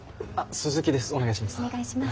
鈴木です。